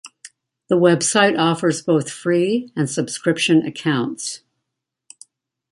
The website offers both free and subscription accounts.